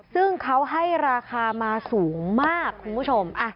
ซึ่งเขาให้ราคามาสูงมากคุณผู้ชม